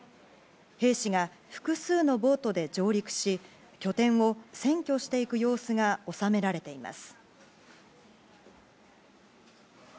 兵士が複数のボートで上陸し拠点を占拠していく様子が収められています。